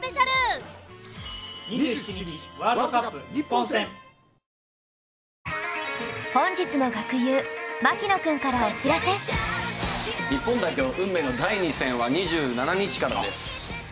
本日の学友日本代表運命の第２戦は２７日からです。